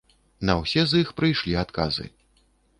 На ўсе з іх прыйшлі адказы.